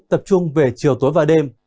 tập trung về chiều tối và đêm